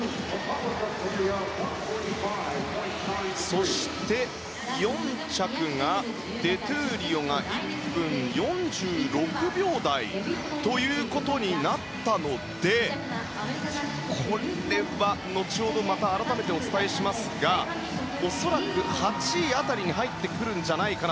そして、４着デ・トゥーリオが１分４６秒台ということになったのでこれは改めてお伝えしますが８位辺りに入ってくるんじゃないかと。